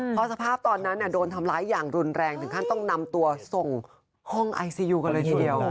เพราะสภาพตอนนั้นโดนทำร้ายอย่างรุนแรงถึงขั้นต้องนำตัวส่งห้องไอซียูกันเลยทีเดียว